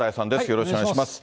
よろしくお願いします。